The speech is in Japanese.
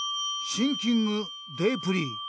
シンキングデープリー。